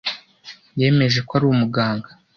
Yemeje ko ari umuganga.